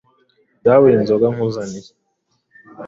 Dawe iyi nzoga nkuzaniye